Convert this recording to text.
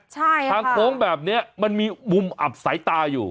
ใช่ค่ะทางโค้งแบบนี้มันมีมุมอับสายตาอยู่